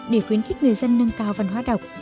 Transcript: để khuyến khích người dân nâng cao văn hóa đọc